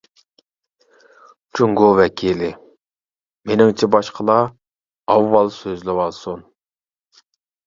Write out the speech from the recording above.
جۇڭگو ۋەكىلى:مېنىڭچە باشقىلار ئاۋۋال سۆزلىۋالسۇن !